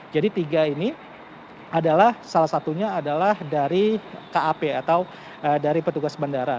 jadi tiga ini adalah salah satunya adalah dari kap atau dari petugas bandara